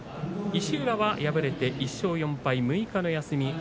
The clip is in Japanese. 石浦は敗れて１勝４敗６日の休み。